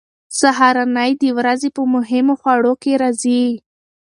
سهارنۍ د ورځې په مهمو خوړو کې راځي.